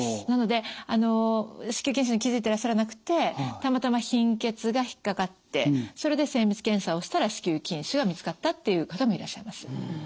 なので子宮筋腫に気付いてらっしゃらなくてたまたま貧血が引っ掛かってそれで精密検査をしたら子宮筋腫が見つかったっていう方もいらっしゃいます。